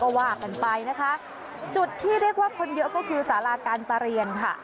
ก็ว่ากันไปนะคะจุดที่เรียกว่าคนเยอะก็คือสาราการประเรียนค่ะ